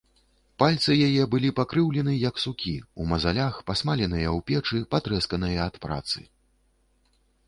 Пальцы яе былі пакрыўлены, як сукі, у мазалях, пасмаленыя ў печы, патрэсканыя ад працы.